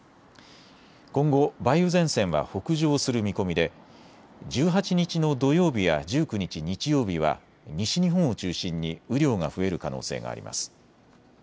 今後、梅雨前線は北上する見込みで１８日の土曜日や１９日日曜日は西日本を中心に雨量が増える可能性があります。